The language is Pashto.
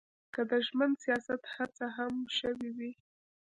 که د ژمن سیاست هڅه هم شوې وي.